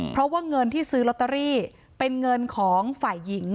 เพราะว่าเงินที่ซื้อลอตเตอรี่เป็นเงินของฝ่ายหญิง